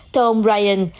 thưa ông ryan